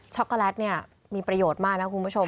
็อกโกแลตเนี่ยมีประโยชน์มากนะคุณผู้ชม